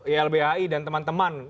ylbhi dan teman teman